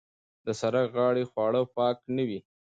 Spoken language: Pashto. د سرک غاړې خواړه پاک نه وي.